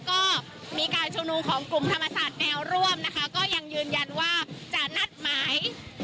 ก็มีการชุมนุมของกลุ่มธรรมศาสตร์แนวร่วมนะคะก็ยังยืนยันว่าจะนัดหมาย